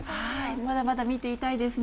まだまだ見ていたいですね。